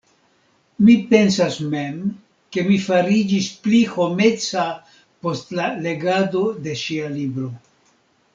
Mi pensas mem, ke mi fariĝis pli homeca post la legado de ŝia libro.